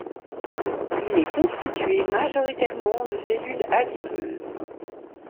Il est constitué majoritairement de cellules adipeuses.